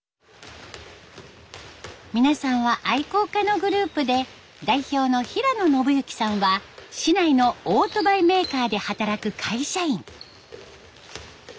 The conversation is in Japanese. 皆さんは愛好家のグループで代表の平野伸幸さんは市内のオートバイメーカーで働く会社員。